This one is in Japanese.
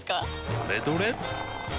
どれどれっ！